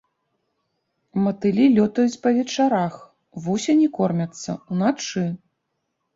Матылі лётаюць па вечарах, вусені кормяцца ўначы.